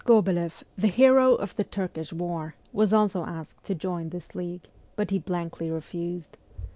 Sk6beleff, the hero of the Turkish war, was also asked to join this league, but he blankly refused.